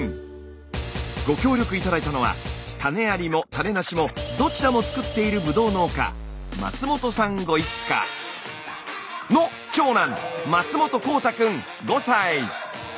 ご協力頂いたのは種ありも種なしもどちらも作っているブドウ農家松本さんご一家の長男。